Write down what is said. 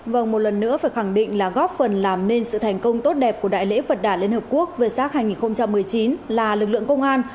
vâng một lần nữa phải khẳng định là góp phần làm nên sự thành công tốt đẹp của đại lễ phật đả liên hợp quốc vơ sát hai nghìn một mươi chín là lực lượng công an